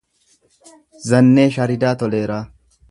Zannee Sharidaa Toleeraa